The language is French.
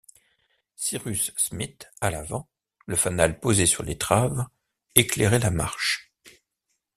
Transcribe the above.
Cyrus Smith à l’avant, le fanal posé sur l’étrave, éclairait la marche.